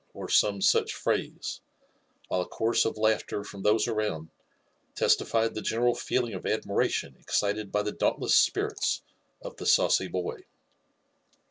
or some such phrase, while a chorus of laughter from those around testified the general feeling of admiration excited by the dauntless spirits of the saucy boy.